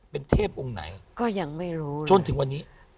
เป็นเทพองค์ไหนจนถึงวันนี้ฟิวบรรยายก็อย่างไม่รู้